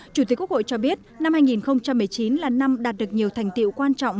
chủ tịch quốc hội cho biết năm hai nghìn một mươi chín là năm đạt được nhiều thành tiệu quan trọng